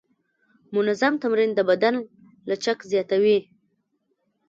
منظم تمرین د بدن لچک زیاتوي.